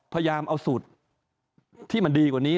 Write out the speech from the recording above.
พยายามเอาสูตรที่มันดีกว่านี้